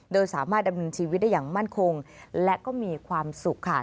โดยสามารถดำเนินชีวิตได้อย่างมั่นคงและก็มีความสุขค่ะ